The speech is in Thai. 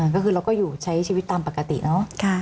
ก็คือเราก็อยู่ใช้ชีวิตตามปกติเนอะ